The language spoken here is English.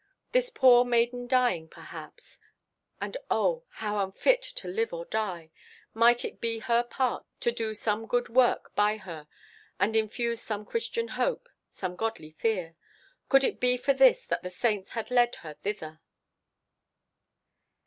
This poor maiden dying, perhaps; and oh! how unfit to live or die!—might it be her part to do some good work by her, and infuse some Christian hope, some godly fear? Could it be for this that the saints had led her hither?